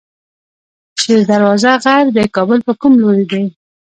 شیر دروازه غر د کابل په کوم لوري دی؟